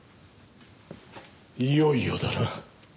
いよいよだな。